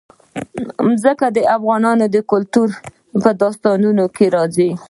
ځمکه د افغان کلتور په داستانونو کې راځي.